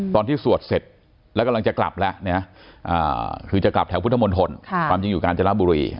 ตอนที่สวดเสร็จแล้วกำลังจะกลับแล้วเนี่ยคือจะกลับแถวพุทธมนธนความจริงอยู่การจะรับบุรี